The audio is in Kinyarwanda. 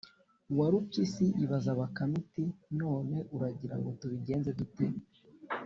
warupyisi ibaza bakame iti: “none uragira ngo tubigenze dute?”